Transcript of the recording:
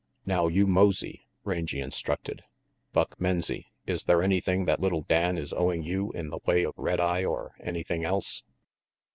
"Now you mosey," Rangy instructed. "Buck Menzie, is there anything that little Dan is owing you in the way of red eye or anything else?"